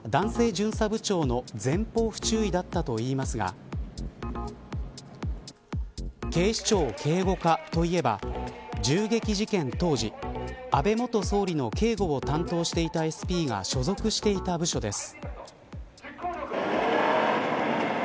巡査部長の前方不注意だったといいますが警視庁警護課といえば銃撃事件当時安倍元総理の警護を担当していたＳＰが所属していた部署です。